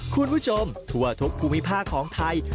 คุณผู้ชมทั่วทุกภูมิภาคของไทย